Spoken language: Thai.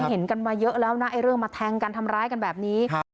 เห็นกันมาเยอะแล้วนะไอ้เรื่องมาแทงกันทำร้ายกันแบบนี้